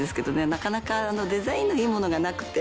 なかなかデザインのいいものがなくて。